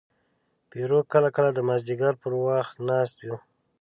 پیرو کله کله د مازدیګر پر وخت ناست و.